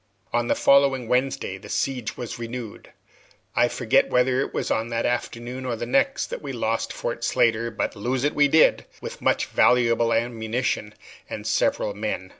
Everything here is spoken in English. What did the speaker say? On the following Wednesday the siege was renewed. I forget whether it was on that afternoon or the next that we lost Fort Slatter; but lose it we did, with much valuable ammunition and several men.